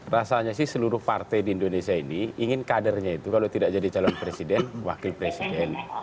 rasanya sih seluruh partai di indonesia ini ingin kadernya itu kalau tidak jadi calon presiden wakil presiden